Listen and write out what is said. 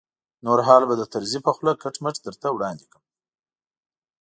نور حال به د طرزي په خوله کټ مټ درته وړاندې کړم.